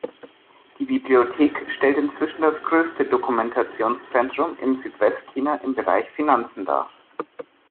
Die Bibliothek stellt inzwischen das größte Dokumentationszentrum in Südwestchina im Bereich Finanzen dar.